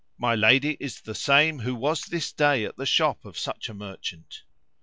My lady is the same who was this day at the shop of such a merchant."